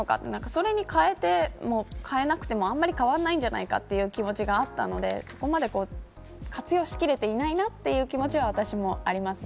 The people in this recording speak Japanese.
それに変えても変えなくてもあんまり変わんないんじゃないかという気持ちがあったのでそこまで活用しきれていないなという気持ちは、私もあります。